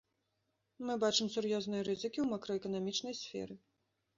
Мы бачым сур'ёзныя рызыкі ў макраэканамічнай сферы.